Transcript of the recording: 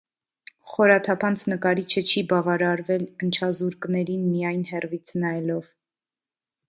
Խորաթափանց նկարիչը չի բավարարվել ընչազուրկներին միայն հեռվից նայելով։